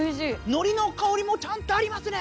のりの香りもちゃんとありますね。